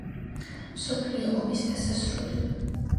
მსოფლიო ომის დასასრული